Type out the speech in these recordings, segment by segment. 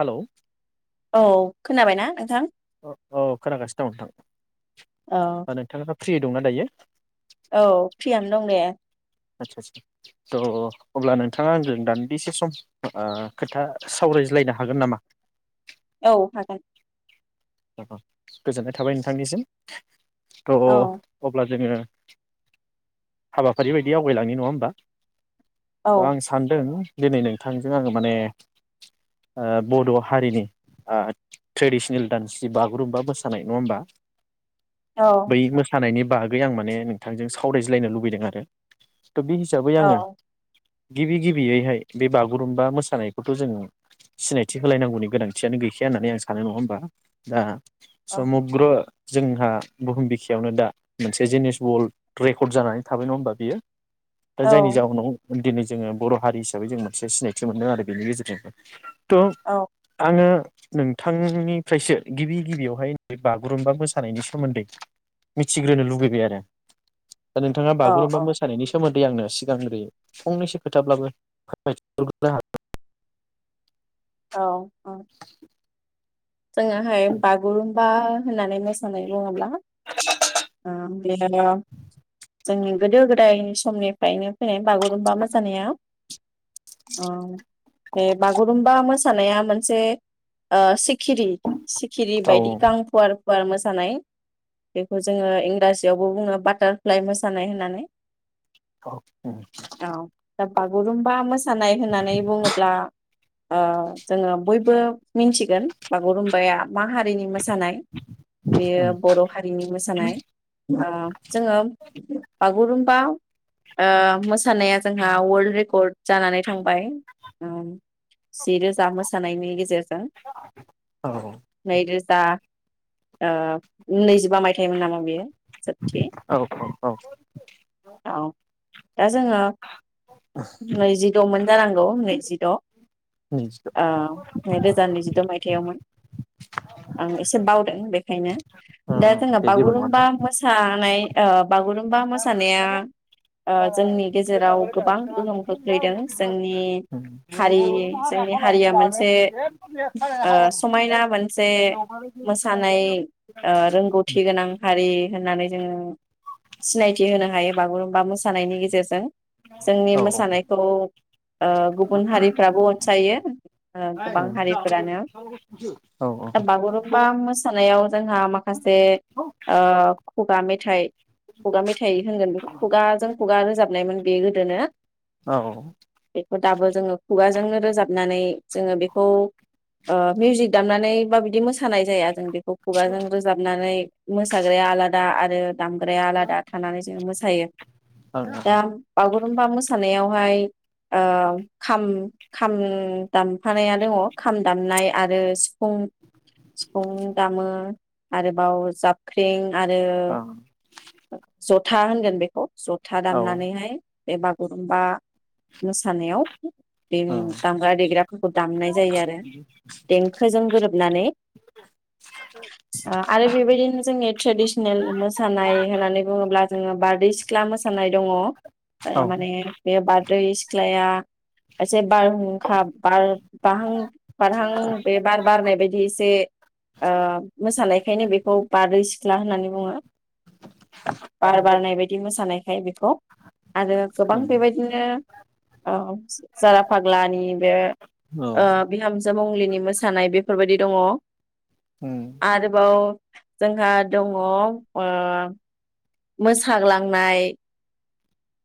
Hello औ खोनाबायना नोंथां ओ औ खोनागासिनो दं नोंथां औ ओ नोंथाङा फ्रि दंना दायो औ फ्रियानो दं दे [unintelligible] थ' अब्ला नोंथाङा आंजों दान्दिसे सम ओ खोथा सावरायज्लायनो हागोन नामा? औ हागोन ओ गोजोननाय थाबाय नोंथांनिसिम। औ थ' अब्ला जोङो हाबाफारि बायदि आवगायलांनि नङा होमबा? औ ओ आं सानदों दिनै नोंथांजों आङो माने ओ बड' हारिनि ओ ट्रेडिसनेल दानस्रि बागुरुम्बा मोसानाय नङा होमबा? औ बै मोसानायनि बागै आं माने नोंथांजों सावरायज्लायनो लुबैदों आरो। त' बे हिसाबै औ आङो गिबि गिबियैहाय बे बागुरुम्बा मोसानायखौथ' जों सिनायथि होलायनांगौनि गोनांथियानो गैखाया होननानै आं सानो नङा होमबा? दा समुग्र जोंहा बुहुम बिखायावनो दा मोनसे जिनिस वल्ड रेकर्ड जानानै थाबाय नङा होमबा बियो दा औ जायनि जाउनाव दिनै जोङो बर' हारि हिसाबै जों मोनसे सिनायथि मोनदों आरो बेनि गेजेरजों। ट' औ आङो नोंथां नि फ्रायसो गिबि गिबियावहाय बि बागुरुम्बा मोसानायनि सोमोन्दै मिथिग्रोनो लुुबैबाय आरो दा नोंथाङा औ बागुरुमबा औ मोसानायनि सोमोन देै आंनो सिगांग्रो फंनैसो खोथाब्लाबो [unintelligible] हागोन [inaudible] औ औ। जोङाहाय बागुरुम बा होननानै मोसानाय बुङोब्ला आ बे जोंनि गोदो गोदायनि समनिफ्रायनो फैनाय बागुरुमबा मोसानाया। अ बे बागुरुमबा मोसानाया मोनसे ओ सिक खिरि सिखिरि हागोन। बायदि औ गां फुवार फुवार मोसानाय बेखौ जोङो इंराजिआवबो बुङो बाटारफ्लाइ मोसानाय होननानै औ उम औ दा बागुरुम्बा मोसानाय होननानै बुङोब्ला ओ जोङो बयबो मिन्थिगोन बागुरुम्बाया मा हारिनि मोसानाय बेयो उम बर' हारिनि मोसानाय। ओ जोङो बागुरुम बा ओ मोस सानाया जोंहा अवलद रेकर्ड जानानै थांबाय। ओ जि रोजा मोसानायनि गेजेरजों औ । दा ओ नैजिबा मायथाइमोन नामा बेयो? जोबथि औ औ औ । औ दा जोङो नैजि दमोन जानांगौ नैजिद ओ नैजिद' नै रोजा नैजि मायथायावमोन आं एसे बावदों बेखायनो उम दा उम जोंहा दे जेबो नङा बागुरुम्बा नोंथां मोसानाय ए ओब बागुरुमबा मोसानाया ओ जोंनि गेजेराव गोबां गोहोम खोख्लैदों जोंनि उम हारि जोंनि हारिया मोनसे ओ समायना मोनसे मोसानाय ओ रोंगौथि गोनां हारि होननानै जोङो सिनायथि होनो हायो बागुरुमबा मोसानायनि गेजेरजों जोंनि औ मोसानायखौ ओ गुबुन हारिफ्राबो अनसायो औ गोबां उम औ हारिफोरानो औ ओं ओं बागुरुम्बा मोसानायाव जोंहा माखासे खुगा मे थाइ खुगा मेथाइ होनगोन बे खुगाजों खुगा रोजाबनाय मोन बे गोदोनो औ बेखौ दाबो जोङो खुगाजोंनो रोजाबनानै जोंङो बेखौ ओ मिउजिक दामनानै मा बायदि मोसानाय जाया जों बेखौ खुगाजों रोजाबनानै मोसाग्राया आलादा आरो दामग्राया आलादा थानानै जोङो मोसायो दा औ बगु बागुरुमबा मोसानायावहाय ओ खाम खाम दामफानाया दङ खाम दामनाय आरो सिफुं, सिफुं दामो । आरोबाव जाबख्रिं आरो उम जथ था होनगोन बेखौ । जथा औ दामनानैहाय बे बागुरुमबा मोसानायाव बे दामग्रा देग्राफोरखौ दामनाय जायो आरो । देंखोजों गोरोबनानै ओ आरो बेबायदिनो जोंनि ट्रेडिसनेल मोसानाय होननानै बुङोब्ला जोङो बारदै सिख्ला मोसानाय दङ । माने बेबादि बारदै सिख्लाया, एसे बारहुंखा बार बाहां बारहां बे बार बारनाय बायदि, एसे ओ मोसानायखायनो बेखौ बारैसि सिख्ला होननानै बुङो। बार बारनाय बायदि मोसानायखौ। औ [unintelligible] हेल' आरो गोबां उम बेबायदिनो ओ जारा फाग्लानि बे औ ओ। बिहामजो मंलिनि मोसानाय बेफोरबायदि दङ। उम आरोबाव जोंहा दङ ओ। मोसाग्लांनाय।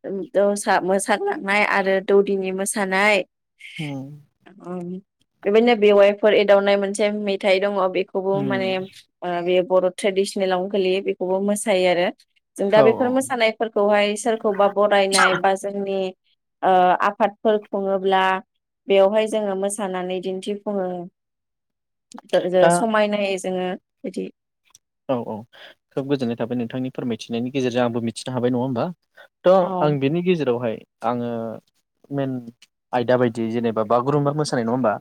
म [unintelligible] मोसागलांनाय आरो दौदिनि मोसानाय। उम थानायाय। ओ ओं। बिबायदिनो बेवाइफोर एदावनाय मोनसे मेथाइ दङ। बे खोबो उम माने ओ बे। बर' ट्रेडिसनेलावनो गोलैयो बेखौबो मोसायो आरो। जों दा औ औ बेफोर मोसानायफोरखौहाय सोर खौबा बरायनाय बा जोंनि। ओ आफादफोर खुङोब्ला बेयावहाय जोङो मोसानानै दिन्थिफुङो। दा [unintelligible] समायनाय एस जोङो बिदि। औ-औ खोब गोजोननाय थाबाय नोंथांनि फोरमायथिनायनि गेजेरजों आंबो मिथिनो हाबाय। नङा होमबा? थ' औ आं बिनि गेजेरावहाय आङो। मेन आयदा बायदि जेनेबा बागुरुम्बा मोसानाय। नङा होमबा?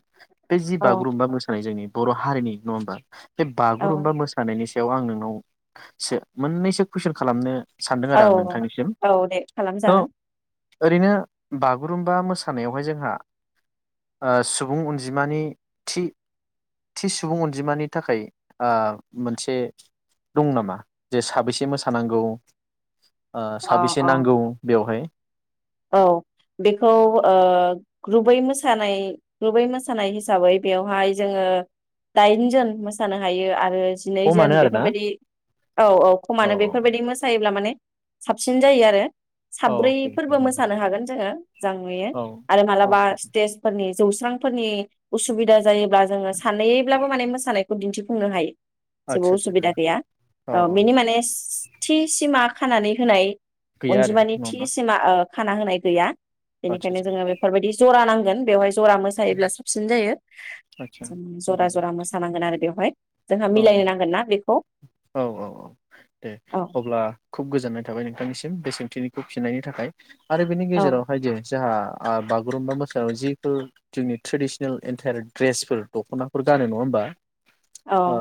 बे जि औ बागुरुम्बा मोसानाय जोंनि। बर' हारिनि नङाओमबा? बे औ बागुरुमबा मोसा बेनि सायाव आं नोंनावसो मोननैसो कुइसन खालामनो। सानदों आरो आं नोंथांनिसिम औ-औ दे खालामजागोन। थ' ओरैनो बागुरुम्बा मोसानायावहाय जोंहा ओ सुबुं अनजिमानि थि-थि सुबुं अनजिमानि थाखाय ओ मोनसे दं नामा जे साबैसे मोसानांगौ। ओ अ साबेसे अ नांगौ बेवहाय। औ बेखौ ओ ग्रुबै मोसानाय ग्रुबै मोसानाय हिसाबै बेवहाय जोङो दाइनजोन मोसानो हायो आरो अ जिनैजोन मानो आरोना बेफोरबायदि औ औ खमानो बेफोरबायदि मोसायोब्ला माने साबसिन जायो आरो। औ साब्रै अके फोरबो मोस औ सानो हागोन जोङो जां नुयो औ आरो मालाबा आदसा स्टेज फोरनि जौस्रांफोरनि उसुबिदा जायोबा जोङो सानैब्लाबो माने मोसानायख दिन्थिफुंनो हायो। जेबो आदसा उसुबिदा गैया औ ओ औ बिनि मानेस थि सिमा खानानै होनाय गैया आरो अनजिमानि नङा थि होमबा सिमा ओ खाना होनाय गैया। आदसा बेनिखायनो आदसा जोङो बेफोरबायदि जरा नां गोन बेवहाय जरा मोसायोब्ला साबसिन जायो आदसा औ जरा जरा मोसानांगोन आरो बेवहाय। जोंहा औ मिलायनो नांगोन ना बेखौ औ औ औ औ दे औ अब्ला खुब गोजोननाय थाबाय नोंथांनिसिम बेसेन खिनिखौ खिनायनि थाखाय। आरो बेनि औ गेजेराव हाय देस जोंहा आं बागुरुम्बा मोसानायाव जिफोर जोंनि ट्रेडिसनेल एन्टायार दड्रेसफोर दख'नाफोर गानो नङा होमबा औ ओ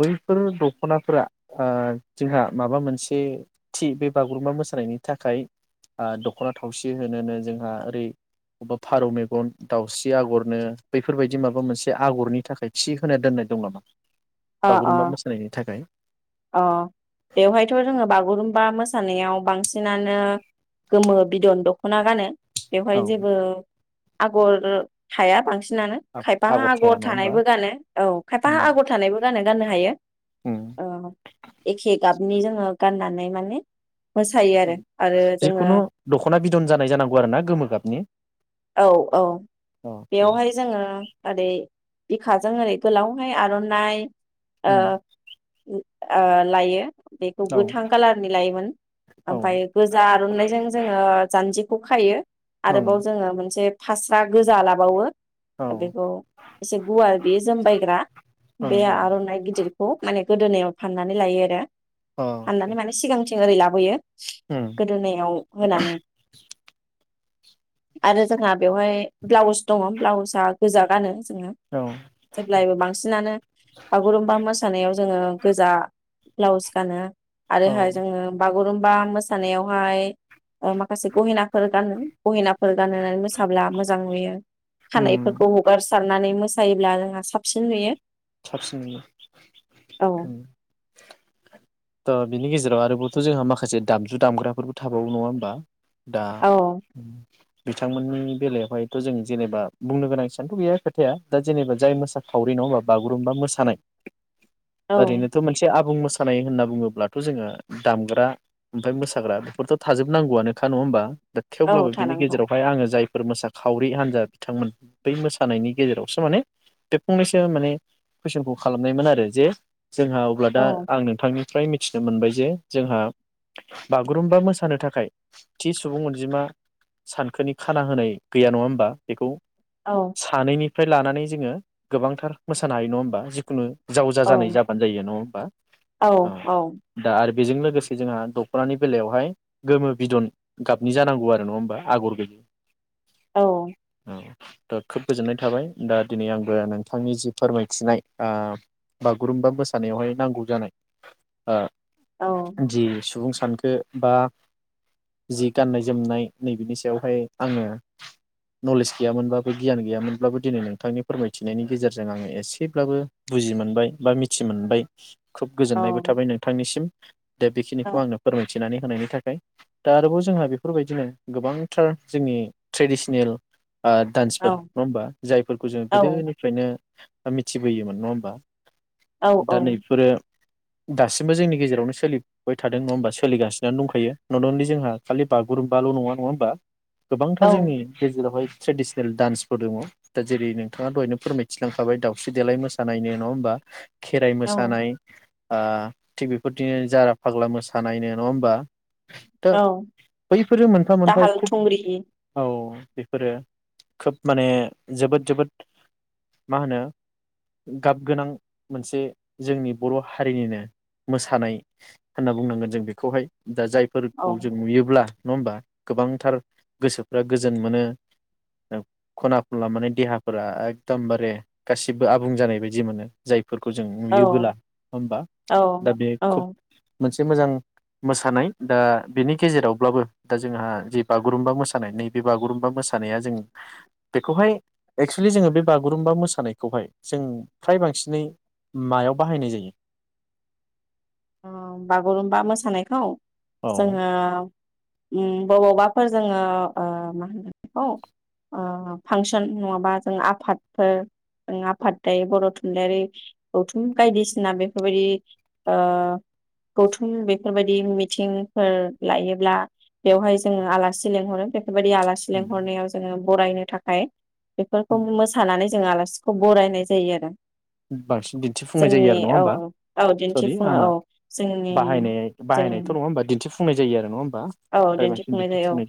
बैफोर दख'नाफोरा जोंहा माबा मोनसे थि बे बागुरुम्बा मोसानायनि थाखाय ओ दख'ना थावसि होनोनो जोंहा ओरै बबेबा फारौ मेगन दाउस्रि आगरनो बैफोरबायदि माबा मोनसे आगरनि थाखाय थि होना दोननाय दं नामा? अ अ बागुरुम्बा मोसानायनि थाखाय अ बेवहायथ' जोङो बागुरुम बा मोसानायाव बांसिनानो गोमो बिदन दख'ना गानो। बेवहाय जेबो आगर थाया बांसिन नानो खायफा थाया आगर नङा होमबा थानायबो गानो औ खायफा आगर थानायबो गानो गाननो हायो। उम अ एखे गाब बिनि जोङो गाननानै माने मोसायो आरो आरो जोङो जिखुनु दख'ना बिदन जानाय जानांगौ आरो ना गोमो गाबनि औ औ अके बेयावहाय जोङो ओरै बिखाजों ओरै गोलावहाय आर'नाइ ओ उम ओ लायो बेखौ औ गोथां कालारनि लायोमोन ओमफ्राय गोजा आरनाइजों जोङो जानजि खौ खायो ओं आरोबाव जोङो मोनसे फास्रा गोजा लाबावो औ बेखौ एसे गुवार बेयो जोमबायग्रा बे ओं गिदिरखौ माने गोदोनायाव फाननानै लायो आरो औ अके फाननानै माने सिगांथिं ओरै ला लाबोयो उम गोदोनायाव होनानै आरो जोंहा बेवहाय ब्लाउस दङ ब्लाउसआ गोजा गानो जोङो औ जेब्लायबो बांसिनानो बागुरुमबा मोसानायाव जोङो गोजा ब्लाउस गानो औ आरोहाय जोङो बागुरुमबा मोसानायावहाय माखासे गहेनाफोर गानो गहेनाफोर गानोनानै मोसाब्ला मोजां नुयो उम खानायफोरखौ हगारसि सारनानै मोसायोब्ला जोंहा साबसिन नुयो साबसिन औ बिनि गेजेराव आरोबावथ' जोंहा माखासे दामजु दामग्राफोरबो थाबावो नङा होमबा? दा औ बिथांमोननि बेलायावहायथ' जों जेनेबा बुंनो गोनां सेबांथ' गैया खोथाया दा जेनेबा जाय मोसा खावरि नङाहोमबा बागुरुम्बा मोसानाय औ ओरैनोथ' मोनसे आबुं मो मोसानाय होनना बुङोब्लाथ' जोङो दामग्रा ओमफ्राय मोसाग्रा बेफोरथ' थाजोबनांगौआनोखा नङा होनबा? दा औ थेवब्लाबो बिनि थानांगौ गेजेरावहाय आङो जाय फोर मोसाखावरि हान्जा बिथांमोन बै मोसानायनि गेजेरावसो माने बे फंनैसो माने कुइसनखौ खालामनायमोन आरो जे जोंहा अब्ला दा औ आं नोंथांनि ओमफ्राय मिथिनो मोनबाय जे जोंहा बागुरुम्बा मोसानो थाखाय थि सुबुं अनजिमा सानखोनि खाना होनाय गैया नङा होमबा बेखौ औ सानैनि फ्राय लानानै जोङो गोबांथार मोसानो हायो नङा होमबा जिखुनु जावजा औ जानाय जाबानो जायो नङा होमबा औ औ दा आरो बेजों लोगोसे जोंहा दख'नानि बेलायावहाय गोमो बिदन गाबनि जानांगौ आरो नङा होमबा आगर गैयै औ खोब गोजोननाय थाबाय दा दिनै आंबो नोंथांनि जि फोरमायथिनाय ओ बा बागुरुम्बा मोसानायावहाय नांगौ जानाय जि सुबुं सानखो बा जि गाननाय जोमनाय नै बिनि सायावहाय आङो नलेज गैयामोनब्लााबो गियान गैयामोनब्लाबो दिनै नोंथांनि फोरमायथिनायनि गेजेरजों जों आङो एसेब्लाबो बुजि मोनबाय बा मिथि मोनबाय। खोब औ गोजोननायबो थाबाय नोंथांनिसिम। दे बेखिनिखौ आंनो फोरमाय मिथिनानै होनायनि थाखाय दा आरोबाव जोंहा बेफोरबायदिनो गोबांथार जोङो ट्रेडिसनेल आ डान्सफोर औ नङा होमबा? जायफोरखौ जों गोदोनिफ्रायनो मिथिबोयोमोन नङा होमबा? औ दा नैफोरो दासिमबो जोंनि गेजेरावनो सोलिबाय थादों नङा होमबा सोलिगासिनानो दंखायो। नुदोंदि जोंहा खालि बागुरुम्बाल' नङा नङा होमबा? गोबांथार जोंनि गेजेरावहाय ट्रेडिसनेल डान्सफोर दङ दा जेरै नोंथाङा दहायनो फोरमाय थिलांखाबाय दावउस्रि देलाय मोसानाय नो नङा होमबा? खेराइ औ मोसानाय आ थिग बेफोरदिनो जारा फाग्ला मोसानायनो नङा होमबा? दा औ बैफोरो मोनफा मोनफा दाहाल खुब थुंग्रि औ। बेफोरो खोब माने जोबोद जोबोद मा होनो गाब गोनां मोनसे जोंनि बर' हारिनिनो मोसानाय होनना बुंनांगोन जों बेखौहाय। दा जायफोरखौ औ जों नुयोब्ला नङा होमबा गोबांथार गोसोफ्रा गोजोन मोनो, खना खनला माने देहाफोरा एक दमबारे गासिबो आबुं जानाय बायदि मोनो। जाय फोरखौ जों औ नुयोबोला नङा होमबा? औ दा बे औ खुब मोनसे से मोजां मोसानाय दा बेनि गेजेरावब्लाबो दा जोंहा जि बागुरुम्बा मोसानाय नैबे बागुरुम्बा मोसानाया जों बेखौहाय एक्सुलि जोङो बे बागुरुम्बा मोसानायखौ हाय जों फ्राय बांसिनै मायाव बाहायनाय जायो? अ बागुरुमबा मोसानायखौ? औ जोङो ओं बबावबाफोर जोङो ओ मा होनो बेखौ फांसन नङाबा जों आफादफोर जों आफाद थायो बर' थुनलाइयारि गौथुम बायदिसिना बेफोरबायदि ओ गौथुम बेफोरबायदि मिथिंफोर लायोब्ला बेवहाय जोङो आलासि लिंहरो बे बेफोरबायदि आलासि लेंहरनायाव जोङो बरायनो थाखाय बेफोरखौ मोसानानै जों आलासिखौ बरायनाय जायो आरो। बांसिन दिन्थिफुंनाय जायो जोंनि आरो नङा औ होमबा? औ सरि दिन्थिफुङो आंना औ जोंनि बाहायनाय जों बाहायनायथ' नङा होमबा दिन थि फुंनाय जायो आरो नङा औ फ्राय बांसिन दिन्थिफुंनाय जायो औ।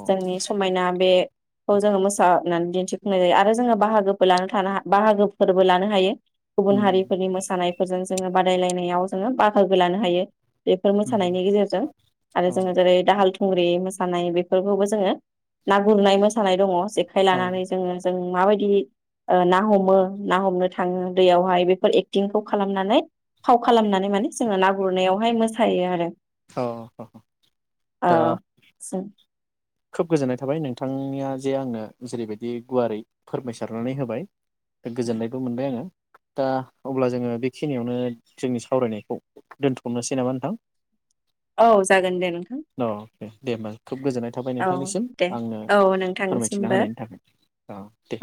औ जोंनि समायना बेखौ जोङो मोसा नानै दिन्थिफुंनाय जायो आरो जोङो बाहागोबो लानो थानो हा बाहागोफोरबो लानो हायो। उम गुबुन हारिफोरनि मोसानाय फोरजों जोङो बादायलायनायाव जोङो बाहागो लानो हायो। बेफोर उम मोसानायनि गेजेरजों आरो औ जोङो जेरै थुंग्रि मोसानाय बेफोरखौबो जोङो ना गुरनाय मोसानाय दङ। जेखाइ औ लानानै जोङो जों माबायदि ओ ना हमो ना हमनो थाङो दैयावहाय बेफोर एक्टिंखौ खालामनानै फाव खालामनानै माने जोङो ना गुरनायाव बेहाय मोसायो आरो अ अ औ खोब गोजोननाय थाबाय नोंथांनिया जे आंनो जेरैबायदि गुवारै फोरमायसारनानै होबाय गोजोननायबो मोनबाय आङो दा अब्ला जोङो बेखिनियावनो जोंनि सावरायनायखौ दोनथ'नोसै नामा नोंथां? औ जागोन दे नोंथां औ दे होमबा खुब गोजोननाय थाबाय औ नोंथांनिसिम दे आंनो औ फोरमायथिना नोंथांनिसिमबो होनायनि थाखाय औ दे।